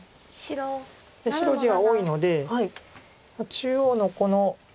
白地は多いので中央のこの。